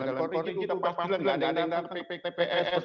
tidak ada tidak ada ppk tps